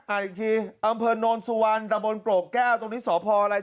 อีกทีอำเภอโนนสุวรรณตะบนโปรกแก้วตรงนี้สพอะไร